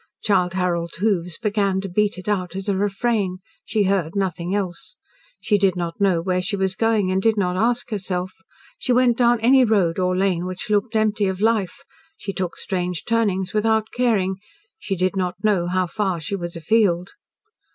Childe Harold's hoofs began to beat it out as a refrain. She heard nothing else. She did not know where she was going and did not ask herself. She went down any road or lane which looked empty of life, she took strange turnings, without caring; she did not know how far she was afield.